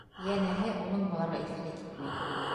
Йәнәһе, уның быларға иҫе лә китмәй.